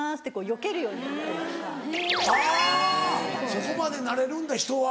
そこまでなれるんだ人は。